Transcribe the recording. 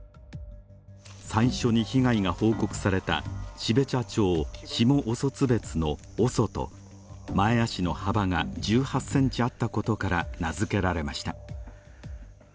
最初に被害が報告された標茶町下オソツベツのオソと前足の幅が１８ｃｍあったことから名付けられました。